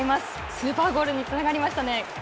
スーパーゴールにつながりましたね。